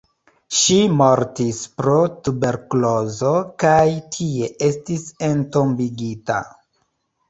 Ŝi mortis pro tuberkulozo kaj tie estis entombigita.